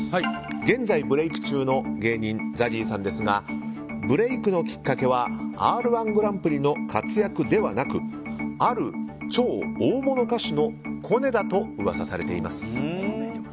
現在、ブレーク中の芸人ＺＡＺＹさんですがブレークのきっかけは「Ｒ‐１グランプリ」の活躍ではなく、ある超大物歌手のコネだと噂されています。